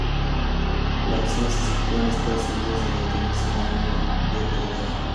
La acción se sitúa en Estados Unidos durante el mismo año del rodaje.